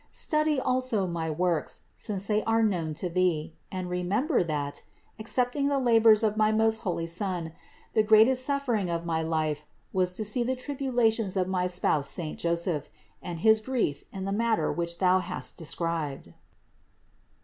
Study also My works, since they are known to thee ; and remember that, excepting the labors of my most holy Son, the greatest suffering of my life was to see the tribu lations of my spouse saint Joseph, and his grief in the matter which thou hast described.